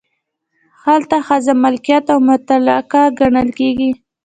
هلته ښځه ملکیت او متعلقه ګڼل کیږي.